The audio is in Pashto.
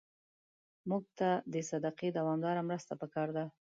مړه ته د صدقې دوامداره مرسته پکار ده